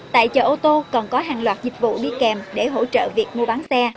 tại chợ ô tô còn có hàng loạt dịch vụ đi kèm để hỗ trợ việc mua bán xe